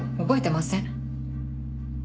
覚えてません。